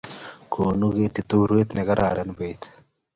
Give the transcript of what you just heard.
Konu ketit urwet ne kararan bet